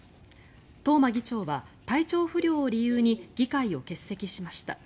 東間議長は体調不良を理由に議会を欠席しました。